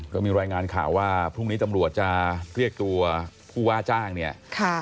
ก็มีรายงานข่าวว่าพรุ่งนี้ตำรวจจะเรียกตัวผู้ว่าจ้างเนี่ย